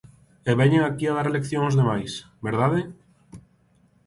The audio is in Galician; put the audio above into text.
E veñen aquí a dar leccións aos demais, ¿verdade?